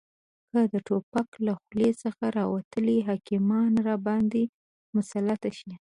که د توپک له خولې څخه راوتلي حاکمان راباندې مسلط شي